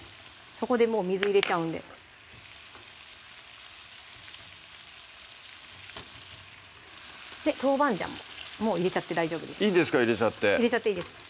そこでもう水入れちゃうんで豆板醤ももう入れちゃって大丈夫ですいいんですか入れちゃって入れちゃっていいです